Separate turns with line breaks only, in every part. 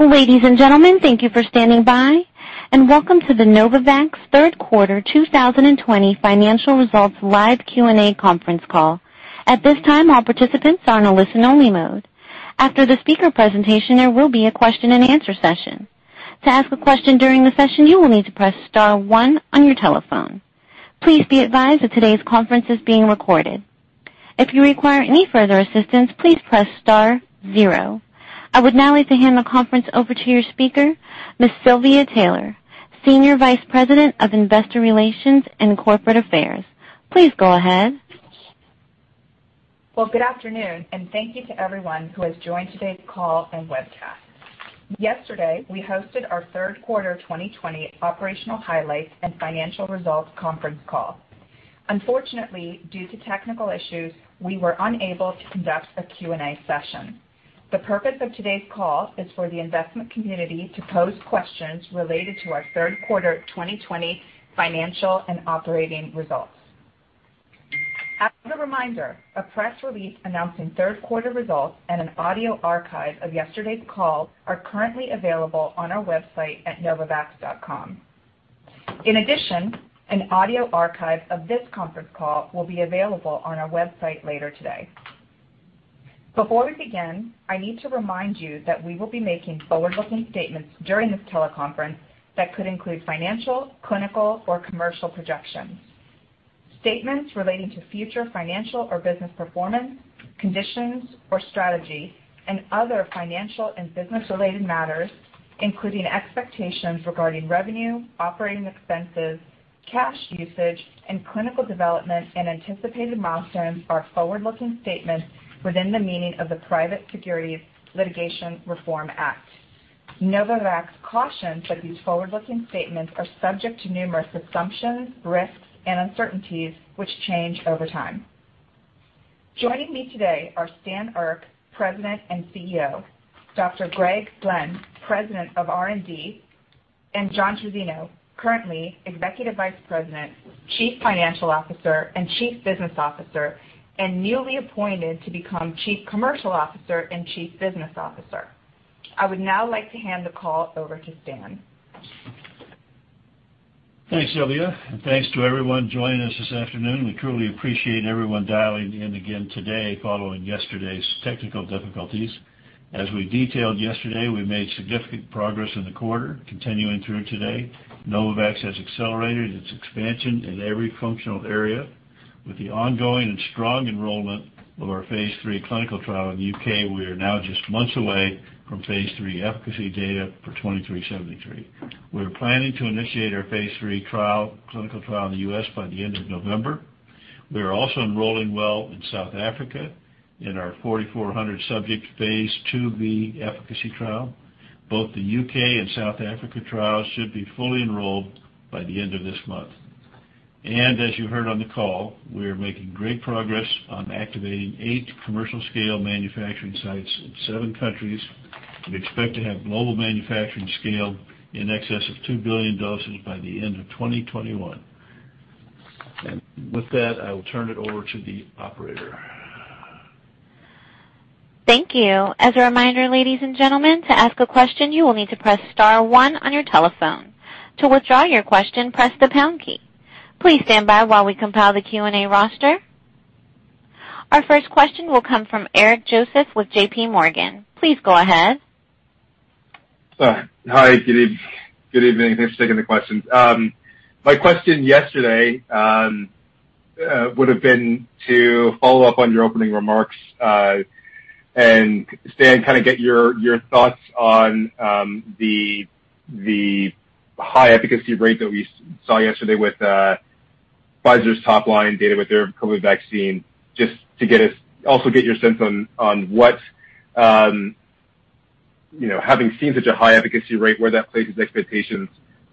Ladies and gentlemen, thank you for standing by, and welcome to the Novavax Third Quarter 2020 Financial Results Live Q&A Conference Call. At this time, all participants are in a listen-only mode. After the speaker presentation, there will be a question-and-answer session. To ask a question during the session, you will need to press star one on your telephone. Please be advised that today's conference is being recorded. If you require any further assistance, please press star zero. I would now like to hand the conference over to your speaker, Ms. Silvia Taylor, Senior Vice President of Investor Relations and Corporate Affairs. Please go ahead.
Good afternoon, and thank you to everyone who has joined today's call and webcast. Yesterday, we hosted our Third Quarter 2020 Operational Highlights and Financial Results Conference Call. Unfortunately, due to technical issues, we were unable to conduct a Q&A session. The purpose of today's call is for the investment community to pose questions related to our third quarter 2020 financial and operating results. As a reminder, a press release announcing third quarter results and an audio archive of yesterday's call are currently available on our website at novavax.com. In addition, an audio archive of this conference call will be available on our website later today. Before we begin, I need to remind you that we will be making forward-looking statements during this teleconference that could include financial, clinical, or commercial projections. Statements relating to future financial or business performance, conditions or strategy, and other financial and business-related matters, including expectations regarding revenue, operating expenses, cash usage, and clinical development and anticipated milestones, are forward-looking statements within the meaning of the Private Securities Litigation Reform Act. Novavax cautions that these forward-looking statements are subject to numerous assumptions, risks, and uncertainties, which change over time. Joining me today are Stan Erck, President and CEO, Dr. Greg Glenn, President of R&D, and John Trizzino, currently Executive Vice President, Chief Financial Officer, and Chief Business Officer, and newly appointed to become Chief Commercial Officer and Chief Business Officer. I would now like to hand the call over to Stan.
Thanks, Silvia. Thanks to everyone joining us this afternoon. We truly appreciate everyone dialing in again today, following yesterday's technical difficulties. As we detailed yesterday, we made significant progress in the quarter, continuing through today. Novavax has accelerated its expansion in every functional area. With the ongoing and strong enrollment of our phase III clinical trial in the U.K., we are now just months away from phase III efficacy data for 2373. We're planning to initiate our phase III clinical trial in the U.S. by the end of November. We are also enrolling well in South Africa in our 4,400-subject phase II-B efficacy trial. Both the U.K. and South Africa trials should be fully enrolled by the end of this month. And as you heard on the call, we are making great progress on activating eight commercial-scale manufacturing sites in seven countries. We expect to have global manufacturing scale in excess of two billion doses by the end of 2021, and with that, I will turn it over to the operator.
Thank you. As a reminder, ladies and gentlemen, to ask a question, you will need to press star one on your telephone. To withdraw your question, press the pound key. Please stand by while we compile the Q&A roster. Our first question will come from Eric Joseph with JPMorgan. Please go ahead.
Hi. Good evening. Thanks for taking the question. My question yesterday would have been to follow up on your opening remarks and, Stan, kind of get your thoughts on the high efficacy rate that we saw yesterday with Pfizer's top-line data with their COVID vaccine, just to also get your sense on what, having seen such a high efficacy rate, where that places expectations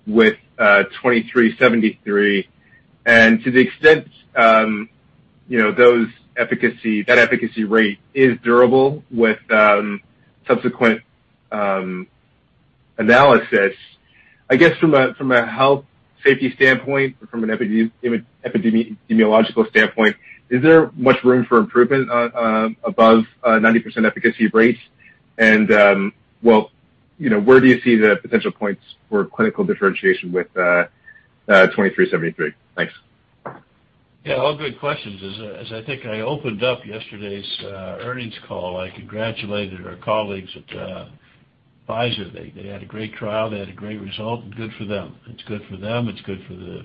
with 2373. And to the extent that efficacy rate is durable with subsequent analysis, I guess from a health safety standpoint, from an epidemiological standpoint, is there much room for improvement above 90% efficacy rates? And, well, where do you see the potential points for clinical differentiation with 2373? Thanks.
Yeah, all good questions. As I think I opened up yesterday's earnings call, I congratulated our colleagues at Pfizer. They had a great trial. They had a great result. Good for them. It's good for them. It's good for the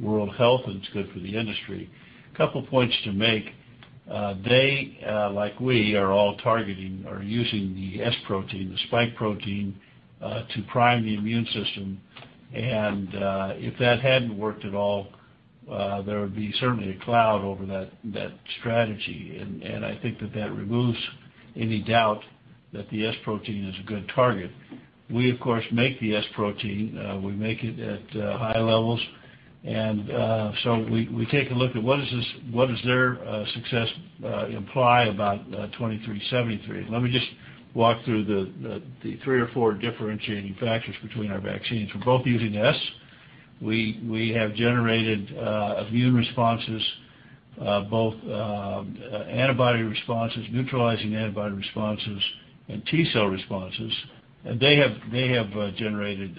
world health, and it's good for the industry. A couple of points to make. They, like we, are all targeting or using the S protein, the spike protein, to prime the immune system. And if that hadn't worked at all, there would be certainly a cloud over that strategy. And I think that that removes any doubt that the S protein is a good target. We, of course, make the S protein. We make it at high levels. And so we take a look at what does their success imply about 2373. Let me just walk through the three or four differentiating factors between our vaccines. We're both using S. We have generated immune responses, both antibody responses, neutralizing antibody responses, and T cell responses. And they have generated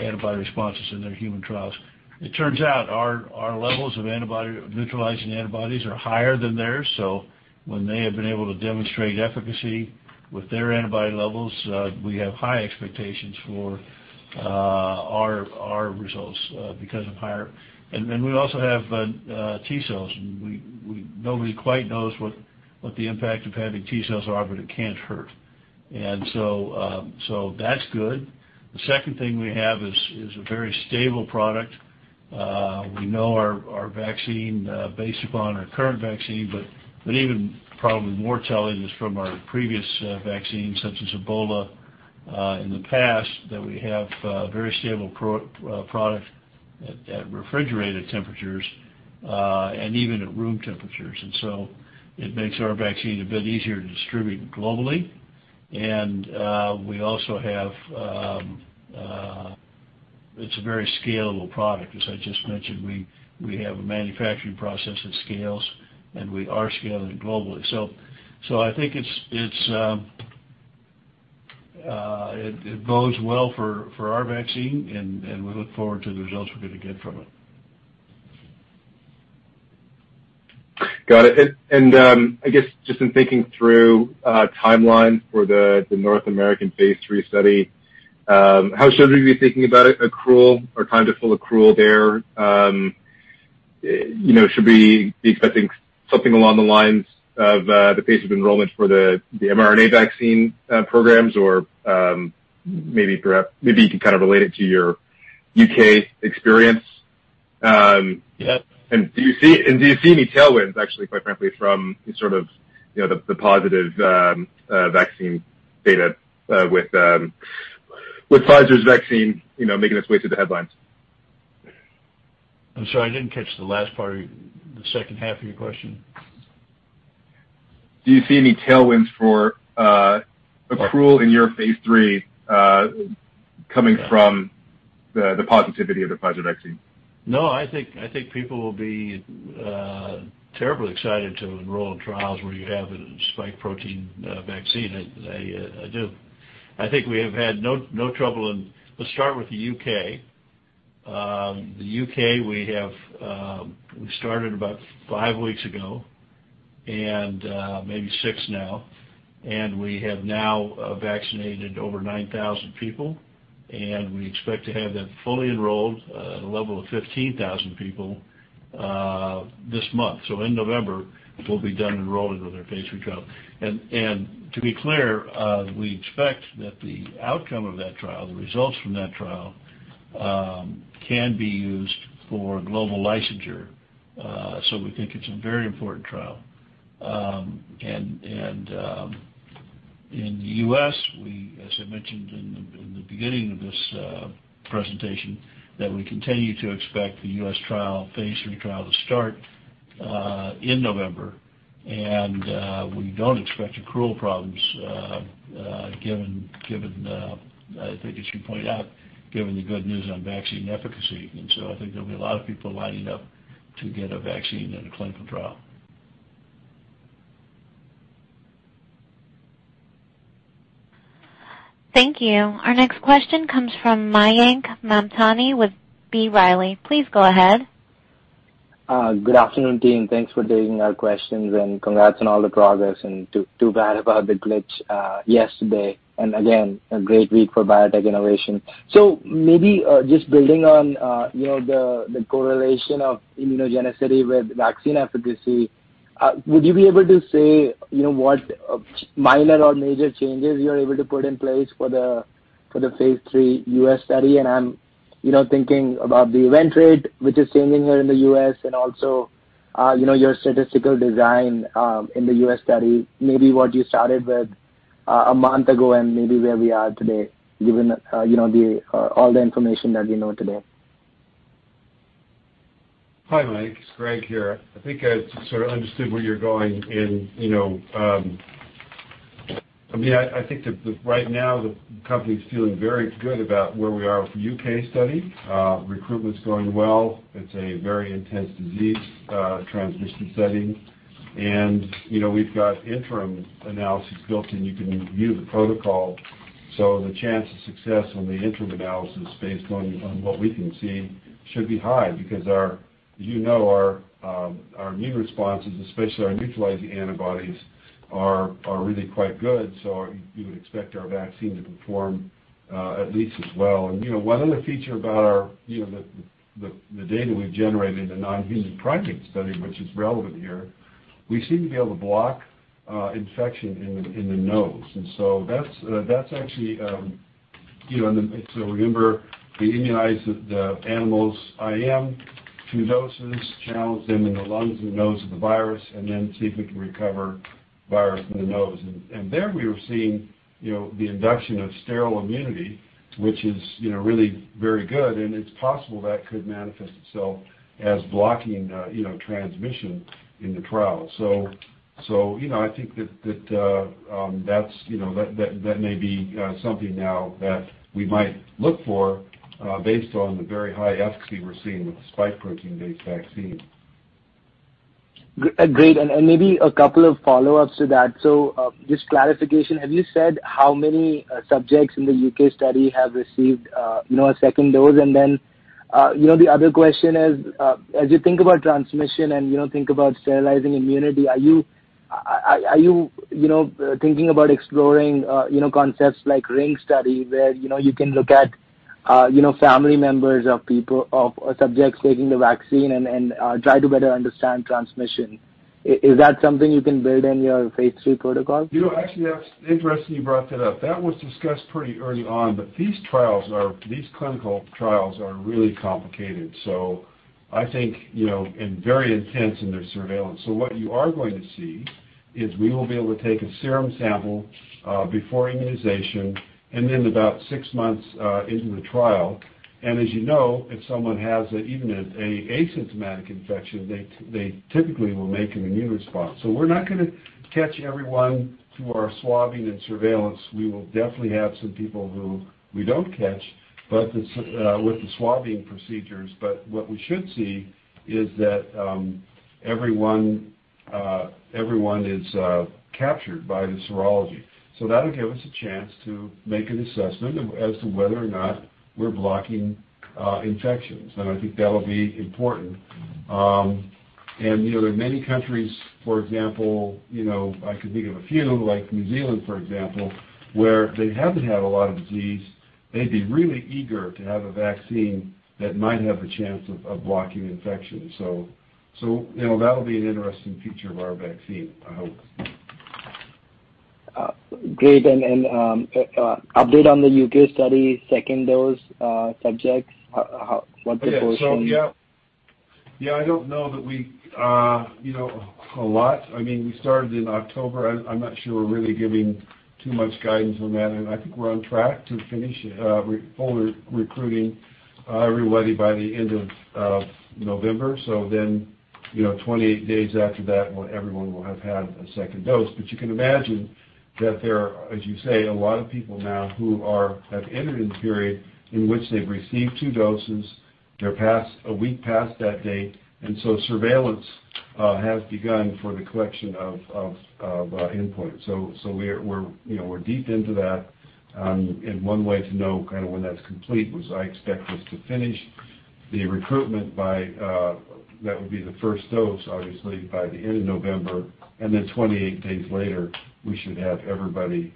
antibody responses in their human trials. It turns out our levels of neutralizing antibodies are higher than theirs. So when they have been able to demonstrate efficacy with their antibody levels, we have high expectations for our results because of higher, and we also have T cells. Nobody quite knows what the impact of having T cells are, but it can't hurt. And so that's good. The second thing we have is a very stable product. We know our vaccine based upon our current vaccine, but even probably more telling is from our previous vaccines, such as Ebola in the past, that we have a very stable product at refrigerated temperatures and even at room temperatures. And so it makes our vaccine a bit easier to distribute globally. We also have. It's a very scalable product, as I just mentioned. We have a manufacturing process that scales, and we are scaling globally. I think it bodes well for our vaccine, and we look forward to the results we're going to get from it.
Got it. And I guess just in thinking through timeline for the North American phase III study, how should we be thinking about accrual or time to full accrual there? Should we be expecting something along the lines of the pace of enrollment for the mRNA vaccine programs? Or maybe you can kind of relate it to your U.K. experience. And do you see any tailwinds, actually, quite frankly, from sort of the positive vaccine data with Pfizer's vaccine making its way through the headlines?
I'm sorry. I didn't catch the last part of the second half of your question.
Do you see any tailwinds for accrual in your phase III coming from the positivity of the Pfizer vaccine?
No, I think people will be terribly excited to enroll in trials where you have a spike protein vaccine. I do. I think we have had no trouble, let's start with the U.K. The U.K., we started about five weeks ago and maybe six now. And we have now vaccinated over 9,000 people. And we expect to have that fully enrolled at a level of 15,000 people this month. So in November, we'll be done enrolling with our phase III trial. And to be clear, we expect that the outcome of that trial, the results from that trial, can be used for global licensure. So we think it's a very important trial. And in the U.S., as I mentioned in the beginning of this presentation, that we continue to expect the U.S. trial, phase III trial, to start in November. And we don't expect accrual problems given, I think, as you point out, given the good news on vaccine efficacy. And so I think there'll be a lot of people lining up to get a vaccine and a clinical trial.
Thank you. Our next question comes from Mayank Mamtani with B. Riley. Please go ahead.
Good afternoon, team. Thanks for taking our questions. And congrats on all the progress. And too bad about the glitch yesterday. And again, a great week for biotech innovation. So maybe just building on the correlation of immunogenicity with vaccine efficacy, would you be able to say what minor or major changes you're able to put in place for the phase III U.S. study? And I'm thinking about the event rate, which is changing here in the U.S., and also your statistical design in the U.S. study, maybe what you started with a month ago and maybe where we are today, given all the information that we know today.
Hi, Mayank. It's Greg here. I think I sort of understood where you're going, and I mean, I think that right now, the company is feeling very good about where we are with the U.K. study. Recruitment's going well. It's a very intense disease transmission study, and we've got interim analysis built, and you can view the protocol. So the chance of success on the interim analysis, based on what we can see, should be high because, as you know, our immune responses, especially our neutralizing antibodies, are really quite good. So you would expect our vaccine to perform at least as well, and one other feature about the data we've generated in the non-human primate study, which is relevant here, we seem to be able to block infection in the nose. And so that's actually, and so remember, we immunize the animals IM, two doses, challenge them in the lungs and nose of the virus, and then see if we can recover virus in the nose. And there we were seeing the induction of sterile immunity, which is really very good. And it's possible that could manifest itself as blocking transmission in the trial. So I think that that may be something now that we might look for based on the very high efficacy we're seeing with the spike protein-based vaccine.
Great. And maybe a couple of follow-ups to that. So just clarification, have you said how many subjects in the U.K. study have received a second dose? And then the other question is, as you think about transmission and think about sterilizing immunity, are you thinking about exploring concepts like ring study where you can look at family members of subjects taking the vaccine and try to better understand transmission? Is that something you can build in your phase III protocol?
Actually, that's interesting you brought that up. That was discussed pretty early on. But these clinical trials are really complicated. So I think and very intense in their surveillance. So what you are going to see is we will be able to take a serum sample before immunization and then about six months into the trial. And as you know, if someone has even an asymptomatic infection, they typically will make an immune response. So we're not going to catch everyone through our swabbing and surveillance. We will definitely have some people who we don't catch with the swabbing procedures. But what we should see is that everyone is captured by the serology. So that'll give us a chance to make an assessment as to whether or not we're blocking infections. And I think that'll be important. And there are many countries, for example, I can think of a few, like New Zealand, for example, where they haven't had a lot of disease. They'd be really eager to have a vaccine that might have a chance of blocking infection. So that'll be an interesting feature of our vaccine, I hope.
Great. And update on the U.K. study, second dose subjects? What proportion?
Yeah. Yeah, I don't know that we have a lot. I mean, we started in October. I'm not sure we're really giving too much guidance on that, and I think we're on track to finish fully recruiting everybody by the end of November. So then 28 days after that, everyone will have had a second dose. But you can imagine that there are, as you say, a lot of people now who have entered in the period in which they've received two doses. They're a week past that date, and so surveillance has begun for the collection of endpoints. So we're deep into that, and one way to know kind of when that's complete is I expect us to finish the recruitment by, that would be the first dose, obviously, the end of November. And then 28 days later, we should have everybody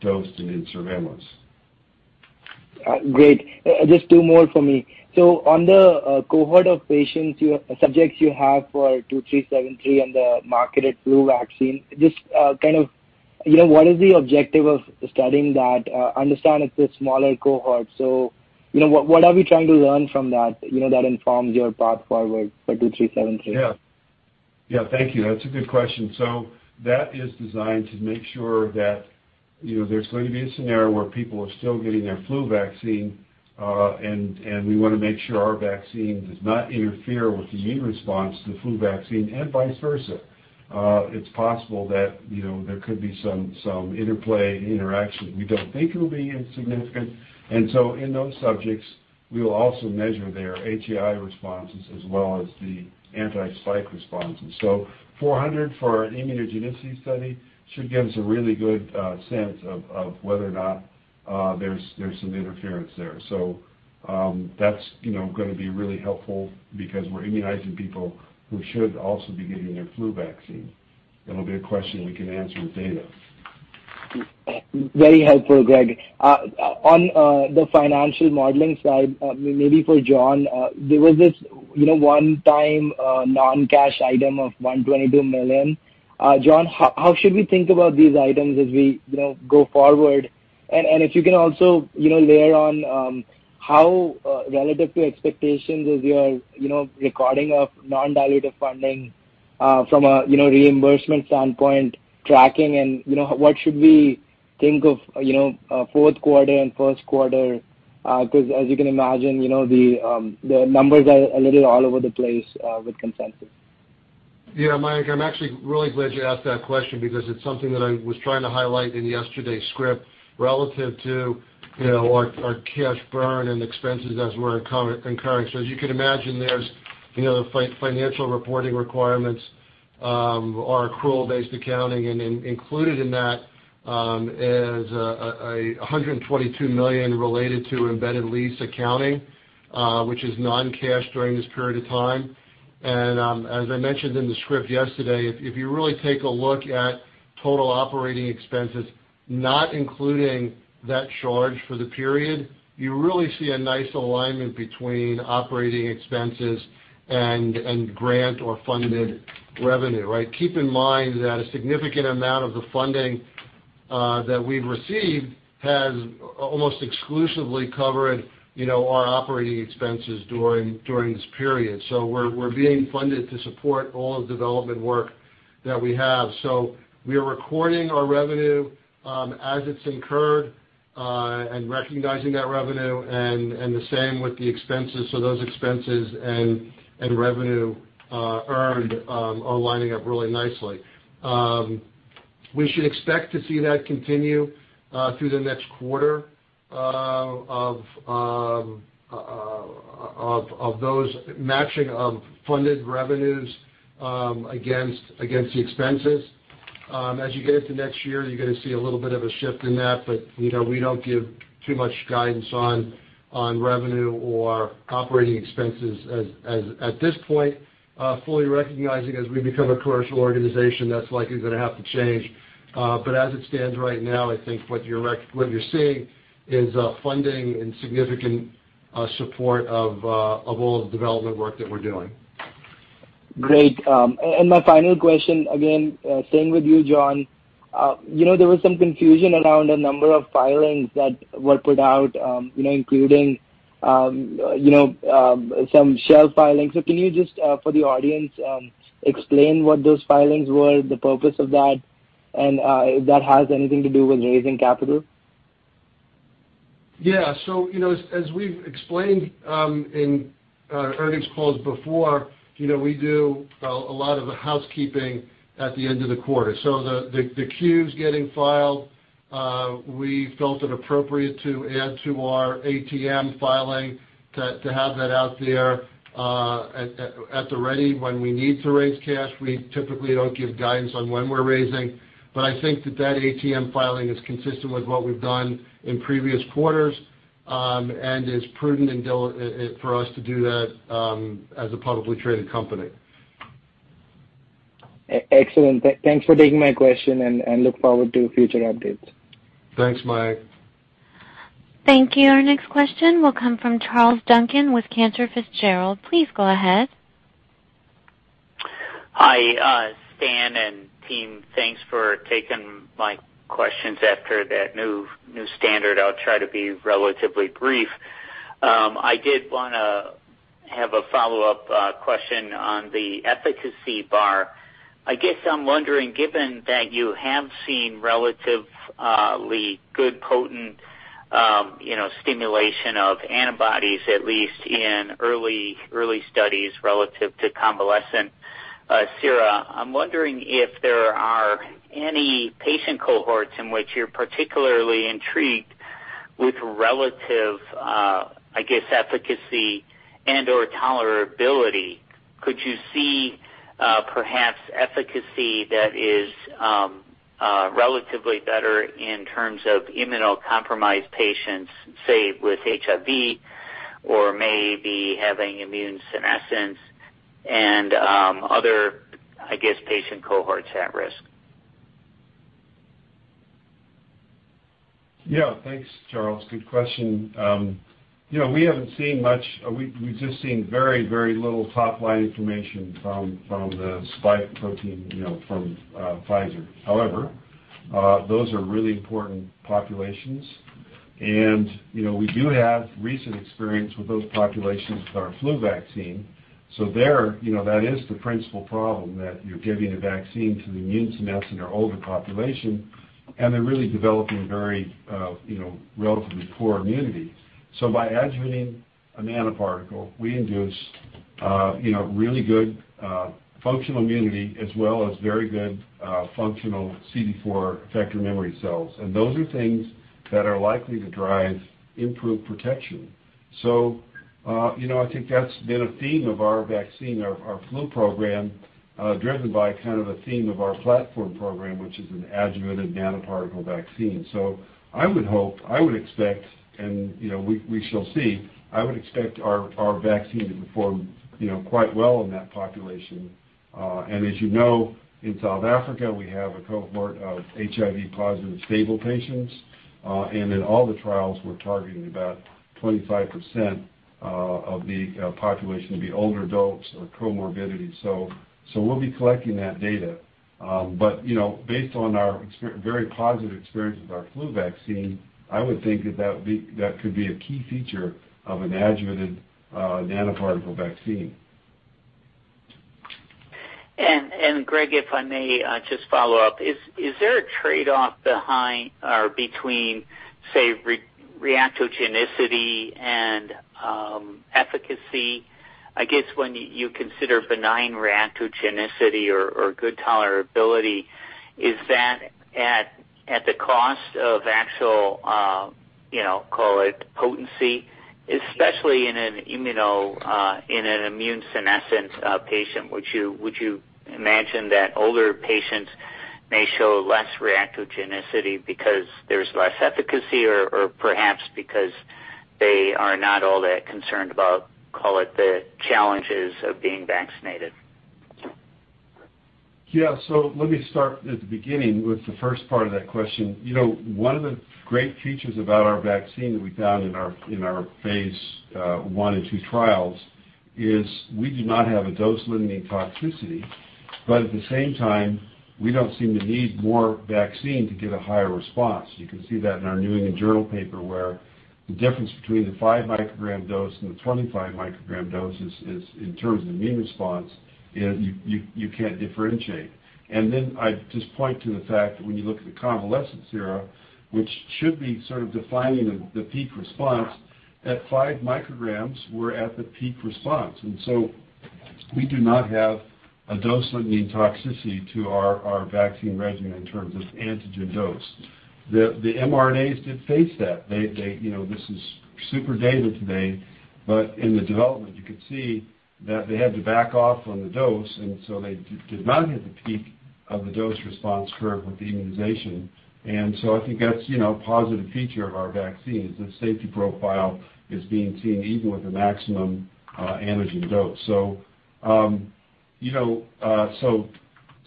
dosed and in surveillance.
Great. Just two more for me. So on the cohort of patients, subjects you have for 2373 and the marketed flu vaccine, just kind of what is the objective of studying that? Understand it's a smaller cohort. So what are we trying to learn from that that informs your path forward for 2373?
Yeah. Yeah. Thank you. That's a good question. So that is designed to make sure that there's going to be a scenario where people are still getting their flu vaccine. And we want to make sure our vaccine does not interfere with the immune response to the flu vaccine and vice versa. It's possible that there could be some interplay interaction. We don't think it'll be insignificant. And so in those subjects, we will also measure their HAI responses as well as the anti-spike responses. So 400 for our immunogenicity study should give us a really good sense of whether or not there's some interference there. So that's going to be really helpful because we're immunizing people who should also be getting their flu vaccine. It'll be a question we can answer with data.
Very helpful, Greg. On the financial modeling side, maybe for John, there was this one-time non-cash item of $122 million. John, how should we think about these items as we go forward, and if you can also layer on how relative to expectations is your recording of non-dilutive funding from a reimbursement standpoint, tracking, and what should we think of fourth quarter and first quarter? Because as you can imagine, the numbers are a little all over the place with consensus.
Yeah. Mayank, I'm actually really glad you asked that question because it's something that I was trying to highlight in yesterday's script relative to our cash burn and expenses as we're incurring. So as you can imagine, there's the financial reporting requirements or accrual-based accounting. And included in that is $122 million related to embedded lease accounting, which is non-cash during this period of time. And as I mentioned in the script yesterday, if you really take a look at total operating expenses, not including that charge for the period, you really see a nice alignment between operating expenses and grant or funded revenue, right? Keep in mind that a significant amount of the funding that we've received has almost exclusively covered our operating expenses during this period. So we're being funded to support all of the development work that we have. So we are recording our revenue as it's incurred and recognizing that revenue. And the same with the expenses. So those expenses and revenue earned are lining up really nicely. We should expect to see that continue through the next quarter of those matching of funded revenues against the expenses. As you get into next year, you're going to see a little bit of a shift in that. But we don't give too much guidance on revenue or operating expenses at this point, fully recognizing as we become a commercial organization, that's likely going to have to change. But as it stands right now, I think what you're seeing is funding and significant support of all of the development work that we're doing.
Great. And my final question, again, staying with you, John, there was some confusion around a number of filings that were put out, including some shelf filings. So can you just, for the audience, explain what those filings were, the purpose of that, and if that has anything to do with raising capital?
Yeah. So as we've explained in earnings calls before, we do a lot of the housekeeping at the end of the quarter. So the 10-Q's getting filed, we felt it appropriate to add to our ATM filing to have that out there at the ready when we need to raise cash. We typically don't give guidance on when we're raising. But I think that that ATM filing is consistent with what we've done in previous quarters and is prudent for us to do that as a publicly traded company.
Excellent. Thanks for taking my question and look forward to future updates.
Thanks, Mayank.
Thank you. Our next question will come from Charles Duncan with Cantor Fitzgerald. Please go ahead.
Hi, Stan and team. Thanks for taking my questions after that new standard. I'll try to be relatively brief. I did want to have a follow-up question on the efficacy bar. I guess I'm wondering, given that you have seen relatively good potent stimulation of antibodies, at least in early studies relative to convalescent sera, I'm wondering if there are any patient cohorts in which you're particularly intrigued with relative, I guess, efficacy and/or tolerability. Could you see perhaps efficacy that is relatively better in terms of immunocompromised patients, say, with HIV or maybe having immunosenescence and other, I guess, patient cohorts at risk?
Yeah. Thanks, Charles. Good question. We haven't seen much. We've just seen very, very little top-line information from the spike protein from Pfizer. However, those are really important populations. And we do have recent experience with those populations with our flu vaccine. So that is the principal problem that you're giving a vaccine to the immunosenescent or older population. And they're really developing very relatively poor immunity. So by adjuvanting a nanoparticle, we induce really good functional immunity as well as very good functional CD4 effector memory cells. And those are things that are likely to drive improved protection. So I think that's been a theme of our vaccine, our flu program, driven by kind of a theme of our platform program, which is an adjuvanted nanoparticle vaccine. So I would hope, I would expect, and we shall see, I would expect our vaccine to perform quite well in that population. And as you know, in South Africa, we have a cohort of HIV-positive stable patients. And in all the trials, we're targeting about 25% of the population to be older adults or comorbidity. So we'll be collecting that data. But based on our very positive experience with our flu vaccine, I would think that that could be a key feature of an adjuvanted nanoparticle vaccine.
And Greg, if I may just follow up, is there a trade-off between say, reactogenicity and efficacy? I guess when you consider benign reactogenicity or good tolerability, is that at the cost of actual, call it potency, especially in an immune senescent patient? Would you imagine that older patients may show less reactogenicity because there's less efficacy or perhaps because they are not all that concerned about, call it the challenges of being vaccinated?
Yeah. So let me start at the beginning with the first part of that question. One of the great features about our vaccine that we found in our phase I and II trials is we do not have a dose-limiting toxicity. But at the same time, we don't seem to need more vaccine to get a higher response. You can see that in our New England Journal paper where the difference between the 5-microgram dose and the 25-microgram dose is in terms of immune response, you can't differentiate. And then I just point to the fact that when you look at the convalescent sera, which should be sort of defining the peak response, at 5 micrograms, we're at the peak response. And so we do not have a dose-limiting toxicity to our vaccine regimen in terms of antigen dose. The mRNAs did face that. This is super dated today. But in the development, you could see that they had to back off on the dose. And so they did not hit the peak of the dose response curve with the immunization. And so I think that's a positive feature of our vaccine is the safety profile is being seen even with the maximum antigen dose. So it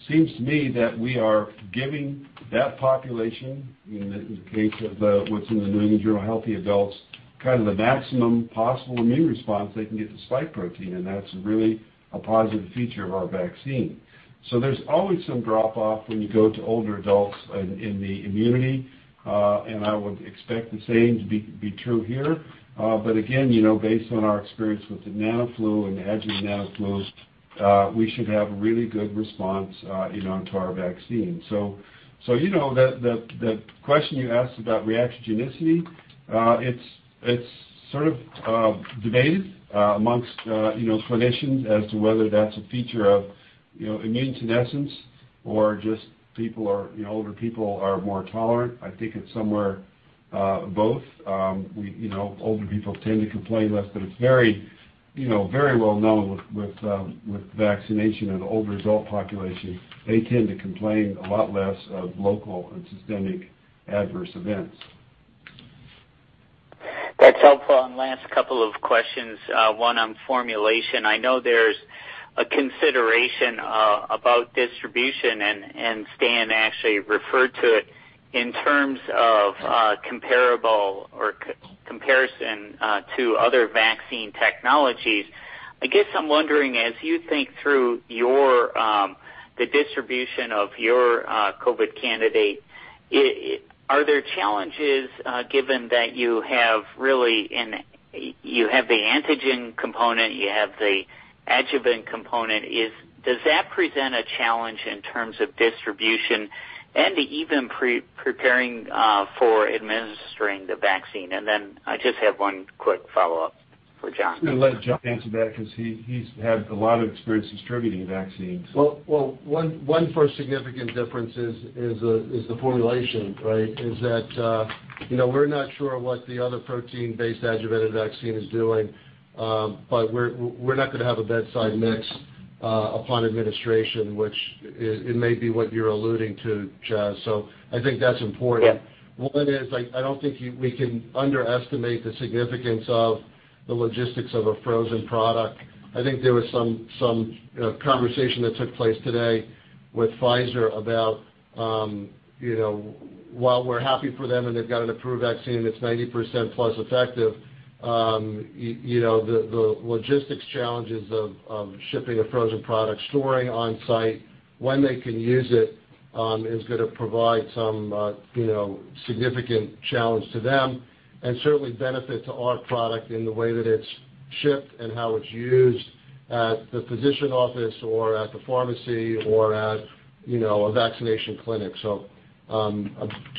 seems to me that we are giving that population, in the case of what's in the New England Journal, healthy adults, kind of the maximum possible immune response they can get to spike protein. And that's really a positive feature of our vaccine. So there's always some drop-off when you go to older adults in the immunity. And I would expect the same to be true here. But again, based on our experience with the NanoFlu and adjuvanted NanoFlu, we should have a really good response to our vaccine. So the question you asked about reactogenicity, it's sort of debated among clinicians as to whether that's a feature of immune senescence or just older people are more tolerant. I think it's somewhere both. Older people tend to complain less. But it's very well known with vaccination in the older adult population. They tend to complain a lot less of local and systemic adverse events.
That's helpful. And last couple of questions, one on formulation. I know there's a consideration about distribution. And Stan actually referred to it in terms of comparison to other vaccine technologies. I guess I'm wondering, as you think through the distribution of your COVID candidate, are there challenges given that you have really the antigen component, you have the adjuvant component? Does that present a challenge in terms of distribution and even preparing for administering the vaccine? And then I just have one quick follow-up for John.
I'm going to let John answer that because he's had a lot of experience distributing vaccines.
One first significant difference is the formulation, right, is that we're not sure what the other protein-based adjuvanted vaccine is doing. But we're not going to have a bedside mix upon administration, which it may be what you're alluding to, Charles. So I think that's important. One is I don't think we can underestimate the significance of the logistics of a frozen product. I think there was some conversation that took place today with Pfizer about, while we're happy for them and they've got an approved vaccine that's 90% plus effective, the logistics challenges of shipping a frozen product, storing on-site, when they can use it is going to provide some significant challenge to them and certainly benefit to our product in the way that it's shipped and how it's used at the physician office or at the pharmacy or at a vaccination clinic. So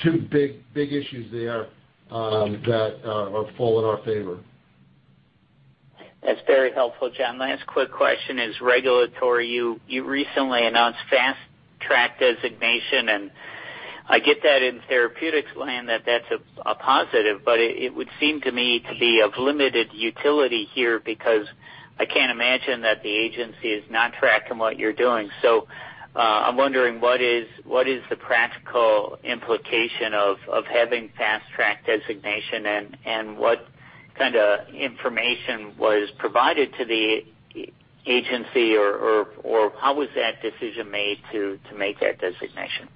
two big issues there that are full in our favor.
That's very helpful, John. Last quick question is regulatory. You recently announced Fast Track designation. And I get that in therapeutics land that that's a positive. But it would seem to me to be of limited utility here because I can't imagine that the agency is not tracking what you're doing. So I'm wondering what is the practical implication of having Fast Track designation and what kind of information was provided to the agency or how was that decision made to make that designation?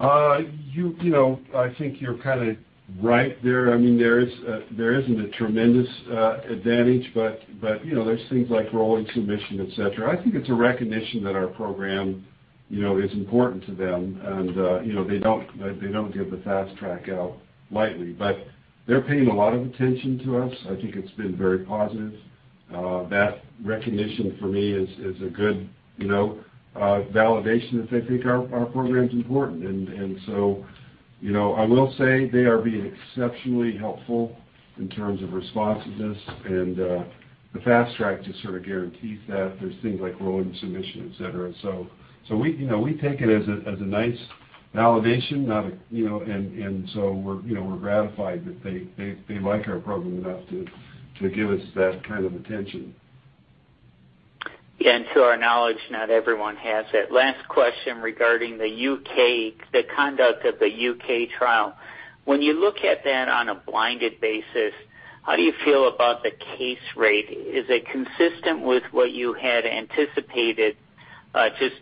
I think you're kind of right there. I mean, there isn't a tremendous advantage, but there's things like rolling submission, etc. I think it's a recognition that our program is important to them, and they don't give the Fast Track out lightly. But they're paying a lot of attention to us. I think it's been very positive. That recognition for me is a good validation that they think our program's important, and so I will say they are being exceptionally helpful in terms of responsiveness. And the Fast Track just sort of guarantees that. There's things like rolling submission, etc. So we take it as a nice validation, and so we're gratified that they like our program enough to give us that kind of attention.
Yeah. And to our knowledge, not everyone has it. Last question regarding the conduct of the U.K. trial. When you look at that on a blinded basis, how do you feel about the case rate? Is it consistent with what you had anticipated, just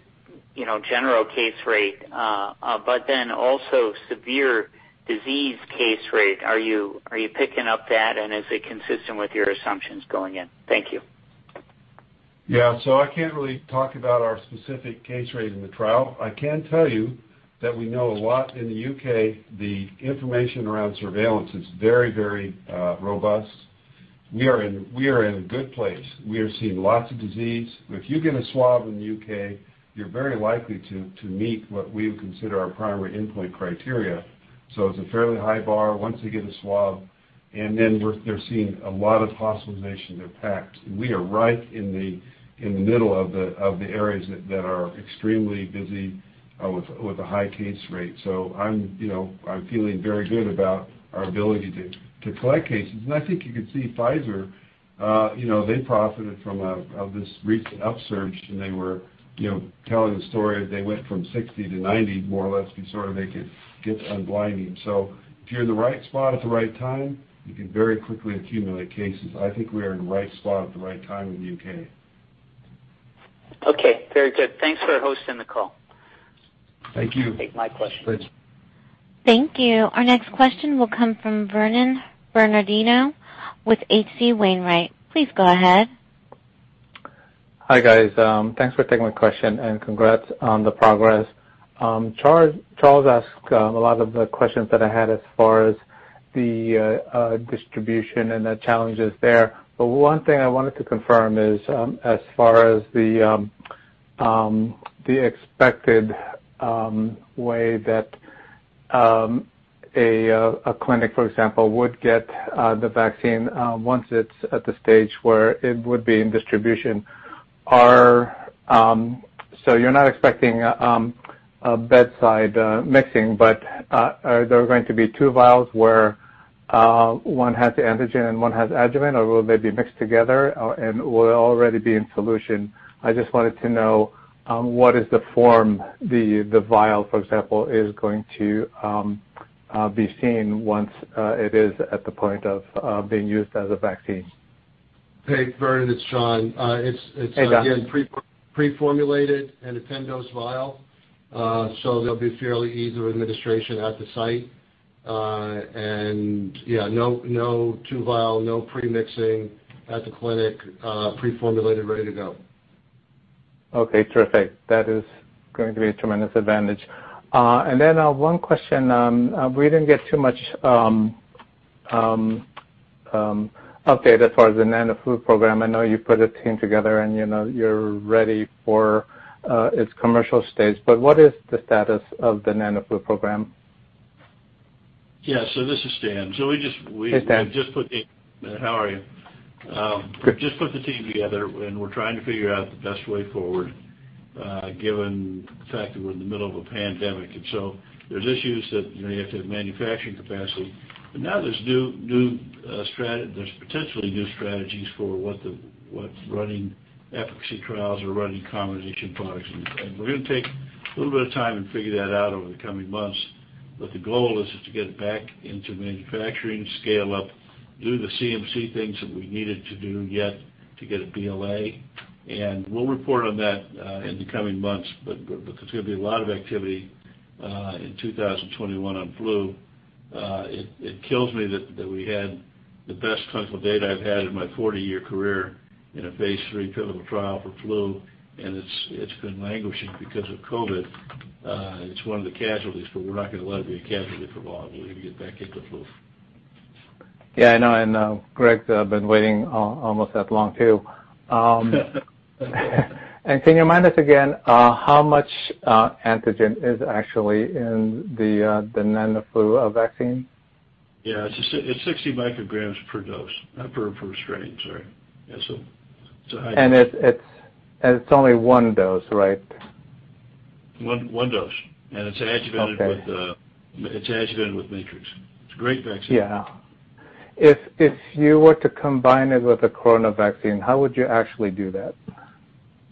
general case rate? But then also severe disease case rate, are you picking up that? And is it consistent with your assumptions going in? Thank you.
Yeah. So I can't really talk about our specific case rate in the trial. I can tell you that we know a lot in the U.K. The information around surveillance is very, very robust. We are in a good place. We are seeing lots of disease. If you get a swab in the U.K., you're very likely to meet what we would consider our primary endpoint criteria. So it's a fairly high bar once they get a swab. And then they're seeing a lot of hospitalizations that are packed. We are right in the middle of the areas that are extremely busy with a high case rate. So I'm feeling very good about our ability to collect cases. And I think you can see Pfizer, they profited from this recent upsurge. And they were telling the story of they went from 60-90, more or less, before they could get unblinding. So if you're in the right spot at the right time, you can very quickly accumulate cases. I think we are in the right spot at the right time in the U.K.
Okay. Very good. Thanks for hosting the call.
Thank you.
And take my question.
Thanks.
Thank you. Our next question will come from Vernon Bernardino with H.C. Wainwright. Please go ahead.
Hi guys. Thanks for taking my question and congrats on the progress. Charles asked a lot of the questions that I had as far as the distribution and the challenges there. But one thing I wanted to confirm is as far as the expected way that a clinic, for example, would get the vaccine once it's at the stage where it would be in distribution. So you're not expecting a bedside mixing. But are there going to be two vials where one has the antigen and one has adjuvant? Or will they be mixed together? And will it already be in solution? I just wanted to know what is the form the vial, for example, is going to be seen once it is at the point of being used as a vaccine?
Hey, Vernon, it's John. It's again pre-formulated and a 10-dose vial, so there'll be fairly easy administration at the site. And yeah, no two vial, no pre-mixing at the clinic, pre-formulated, ready to go.
Okay. Perfect. That is going to be a tremendous advantage. And then one question. We didn't get too much update as far as the NanoFlu program. I know you put a team together and you're ready for its commercial stage. But what is the status of the NanoFlu program?
Yeah. So this is Stan. So we just put the—
Hey, Stan.
How are you? Just put the team together. And we're trying to figure out the best way forward given the fact that we're in the middle of a pandemic. And so there's issues that you have to have manufacturing capacity. But now there's potentially new strategies for what running efficacy trials or running combination products. And we're going to take a little bit of time and figure that out over the coming months. But the goal is to get it back into manufacturing, scale up, do the CMC things that we needed to do yet to get a BLA. And we'll report on that in the coming months. But there's going to be a lot of activity in 2021 on flu. It kills me that we had the best clinical data I've had in my 40-year career in a phase III pivotal trial for flu, and it's been languishing because of COVID. It's one of the casualties, but we're not going to let it be a casualty for long. We're going to get back into flu.
Yeah. I know. And Greg, I've been waiting almost that long too. And can you remind us again how much antigen is actually in the NanoFlu vaccine?
Yeah. It's 60 µg per dose per strain. That's it. So it's a high dose.
It's only one dose, right?
One dose and it's adjuvanted with Matrix. It's a great vaccine.
Yeah. If you were to combine it with a coronavirus vaccine, how would you actually do that?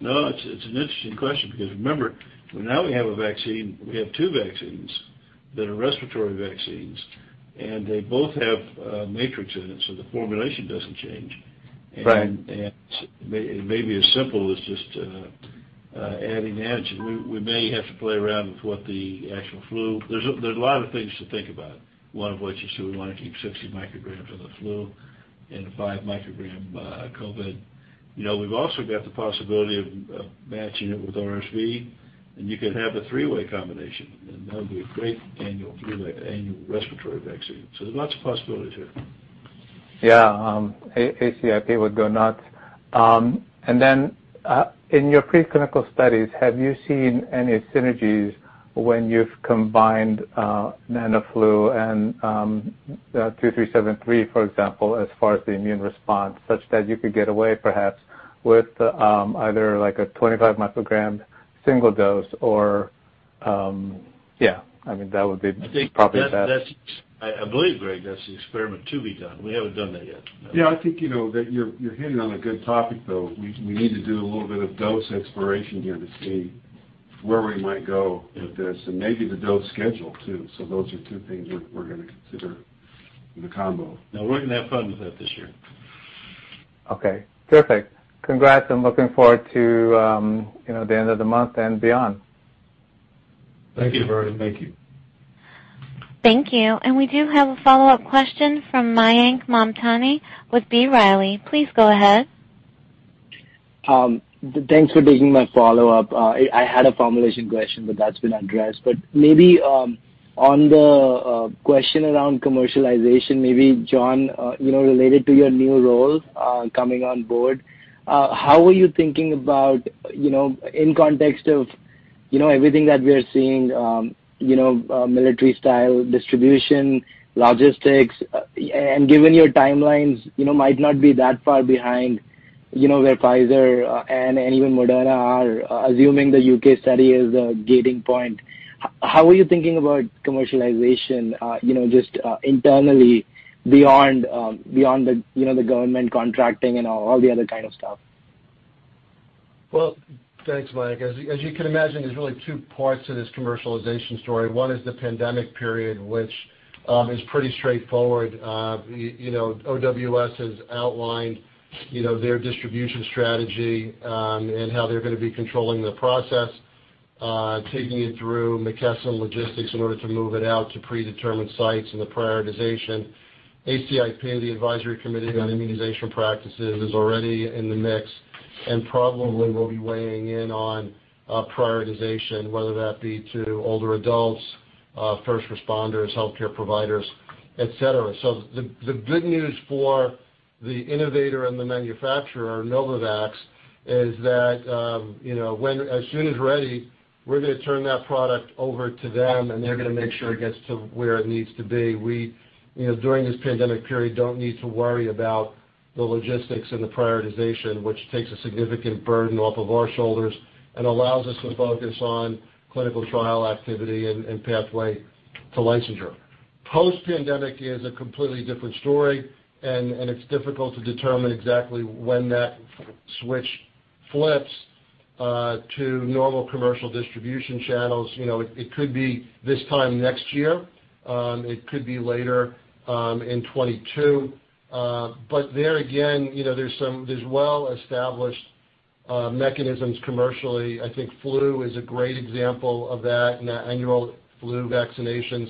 No. It's an interesting question because remember, now we have a vaccine. We have two vaccines that are respiratory vaccines. And they both have Matrix-M in it. So the formulation doesn't change. And it may be as simple as just adding antigen. We may have to play around with what the actual flu, there's a lot of things to think about. One of which is we want to keep 60 micrograms of the flu and 5 microgram COVID. We've also got the possibility of matching it with RSV. And you could have a three-way combination. And that would be a great annual respiratory vaccine. So there's lots of possibilities here.
Yeah. ACIP would go nuts. And then in your preclinical studies, have you seen any synergies when you've combined NanoFlu and 2373, for example, as far as the immune response such that you could get away perhaps with either a 25 microgram single dose or, yeah. I mean, that would be probably best.
I believe, Greg, that's the experiment to be done. We haven't done that yet.
Yeah. I think you're hitting on a good topic though. We need to do a little bit of dose exploration here to see where we might go with this, and maybe the dose schedule too, so those are two things we're going to consider in the combo. Now we're going to have fun with that this year.
Okay. Perfect. Congrats. I'm looking forward to the end of the month and beyond.
Thank you, Vernon. Thank you.
Thank you. And we do have a follow-up question from Mayank Mamtani with B. Riley. Please go ahead.
Thanks for taking my follow-up. I had a formulation question, but that's been addressed. But maybe on the question around commercialization, maybe John, related to your new role coming on board, how are you thinking about in context of everything that we are seeing, military-style distribution, logistics? And given your timelines might not be that far behind where Pfizer and even Moderna are assuming the U.K. study is a gating point. How are you thinking about commercialization just internally beyond the government contracting and all the other kind of stuff?
Thanks, Mayank. As you can imagine, there's really two parts to this commercialization story. One is the pandemic period, which is pretty straightforward. OWS has outlined their distribution strategy and how they're going to be controlling the process, taking it through McKesson Logistics in order to move it out to predetermined sites and the prioritization. ACIP, the Advisory Committee on Immunization Practices, is already in the mix and probably will be weighing in on prioritization, whether that be to older adults, first responders, healthcare providers, etc. The good news for the innovator and the manufacturer, Novavax, is that as soon as ready, we're going to turn that product over to them, and they're going to make sure it gets to where it needs to be. We, during this pandemic period, don't need to worry about the logistics and the prioritization, which takes a significant burden off of our shoulders and allows us to focus on clinical trial activity and pathway to licensure. Post-pandemic is a completely different story, and it's difficult to determine exactly when that switch flips to normal commercial distribution channels. It could be this time next year. It could be later in 2022, but there again, there's well-established mechanisms commercially. I think flu is a great example of that and the annual flu vaccinations.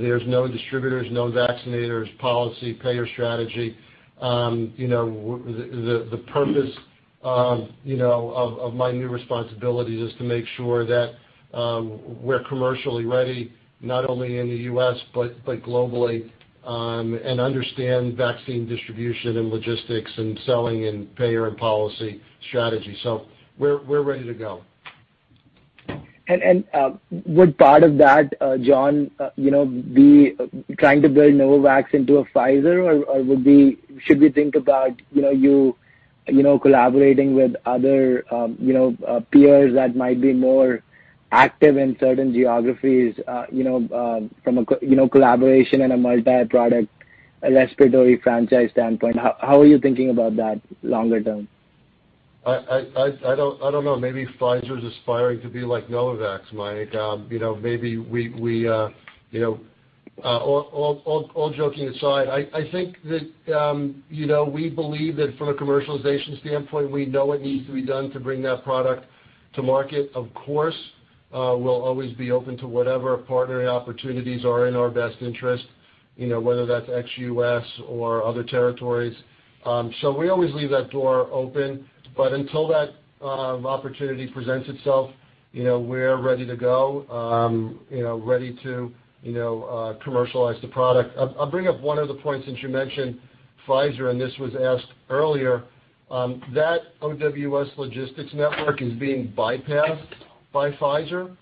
There's known distributors, known vaccinators policy, payer strategy. The purpose of my new responsibilities is to make sure that we're commercially ready, not only in the U.S. but globally, and understand vaccine distribution and logistics and selling and payer and policy strategy, so we're ready to go.
And would part of that, John, be trying to build Novavax into a Pfizer? Or should we think about you collaborating with other peers that might be more active in certain geographies from a collaboration and a multi-product respiratory franchise standpoint? How are you thinking about that longer term?
I don't know. Maybe Pfizer is aspiring to be like Novavax, Mayank. Maybe we, all joking aside, I think that we believe that from a commercialization standpoint, we know what needs to be done to bring that product to market. Of course, we'll always be open to whatever partnering opportunities are in our best interest, whether that's ex-U.S. or other territories so we always leave that door open but until that opportunity presents itself, we're ready to go, ready to commercialize the product. I'll bring up one of the points since you mentioned Pfizer and this was asked earlier that OWS Logistics Network is being bypassed by Pfizer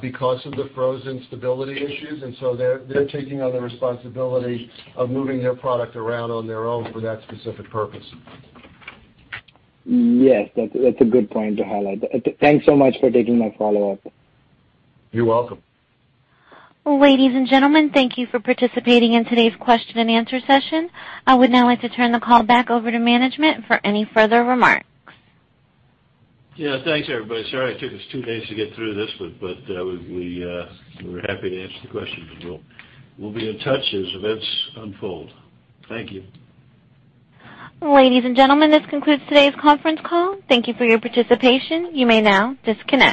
because of the frozen stability issues and so they're taking on the responsibility of moving their product around on their own for that specific purpose.
Yes. That's a good point to highlight. Thanks so much for taking my follow-up.
You're welcome.
Ladies and gentlemen, thank you for participating in today's question and answer session. I would now like to turn the call back over to management for any further remarks.
Yeah. Thanks, everybody. Sorry it took us two days to get through this, but we're happy to answer the questions, and we'll be in touch as events unfold. Thank you.
Ladies and gentlemen, this concludes today's conference call. Thank you for your participation. You may now disconnect.